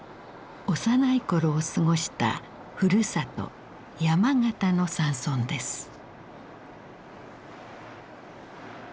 幼い頃を過ごしたふるさと山形の山村です。